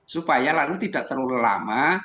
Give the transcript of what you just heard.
supaya lalu tidak terlalu lama